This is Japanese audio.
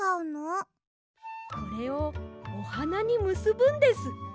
これをおはなにむすぶんです。